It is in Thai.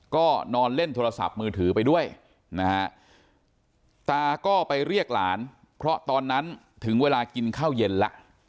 ก็นอนเล่นโทรศัพท์มือถือไปด้วยนะฮะตาก็ไปเรียกหลานเพราะตอนนั้นถึงเวลากินข้าวเย็นแล้ว